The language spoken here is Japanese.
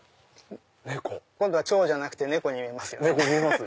今度チョウじゃなく猫に見えますよね。